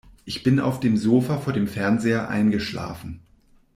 Ich bin auf dem Sofa vor dem Fernseher eingeschlafen.